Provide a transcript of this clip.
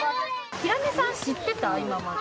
ヒラメさん、知ってた今まで。